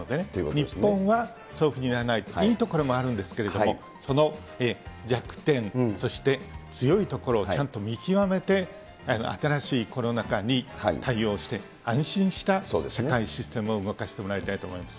日本は、そういうふうにならないと、いいところもあるんですけれども、その弱点、そして、強いところをちゃんと見極めて、新しいコロナ禍に対応して、安心した社会システムを動かしてもらいたいと思います。